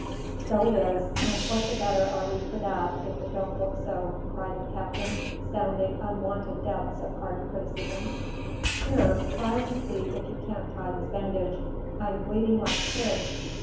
"So it is; and what the better are we for that, if it don't look so?" cried the captain, sounding unwonted depths of art criticism. "Here! try and see if you can't tie this bandage; I'm bleeding like a pig."